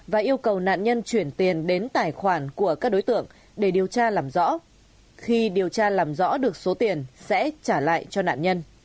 và yêu cầu nạn nhân chuyển tiền đến tài khoản của các đối tượng để điều tra làm rõ khi điều tra làm rõ được số tiền sẽ trả lại cho nạn nhân